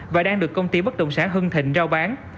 và đang được công ty bất động sản hưng thịnh trao bán